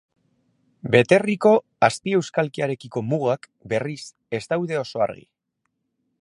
Beterriko azpieuskalkiarekiko mugak, berriz, ez daude oso argi.